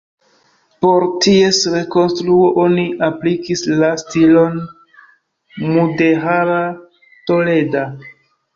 Por ties rekonstruo oni aplikis la stilon mudeĥara toleda.